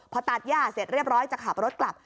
พอตัดย่าเสร็จเรียบร้อยจะขับรถกลับ